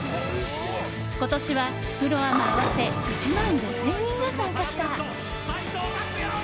今年はプロアマ合わせ１万５０００人が参加した。